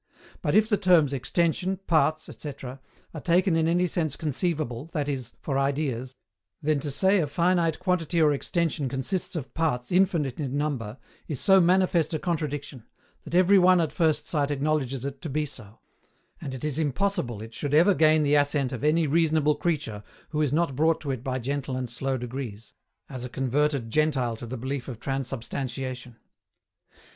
But if the terms "extension," "parts," &c., are taken in any sense conceivable, that is, for ideas, then to say a finite quantity or extension consists of parts infinite in number is so manifest a contradiction, that every one at first sight acknowledges it to be so; and it is impossible it should ever gain the assent of any reasonable creature who is not brought to it by gentle and slow degrees, as a converted Gentile to the belief of transubstantiation.